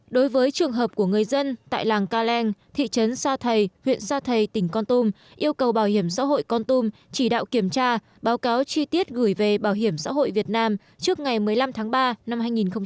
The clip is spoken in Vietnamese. đối với trường hợp của người dân tại làng caleng thị trấn sa thầy huyện sa thầy tỉnh con tum yêu cầu bảo hiểm xã hội con tum chỉ đạo kiểm tra báo cáo chi tiết gửi về bảo hiểm xã hội việt nam trước ngày một mươi năm tháng ba năm hai nghìn hai mươi